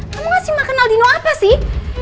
kamu ngasih makan aldino apa sih